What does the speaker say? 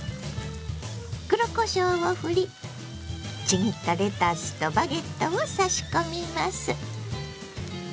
黒こしょうをふりちぎったレタスとバゲットを差し込みます。